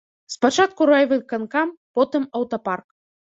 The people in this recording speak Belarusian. Спачатку райвыканкам, потым аўтапарк.